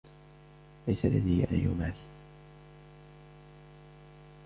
ليس لدي أي مال.